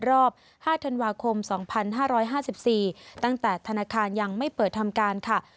รอบ๕ธันวาคม๒๕๕๔ตั้งแต่ธนาคารยังไม่เปิดทำการค่ะ